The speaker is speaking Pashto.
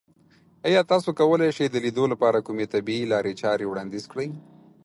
ایا تاسو کولی شئ د لیدو لپاره کومې طبیعي لارې وړاندیز کړئ؟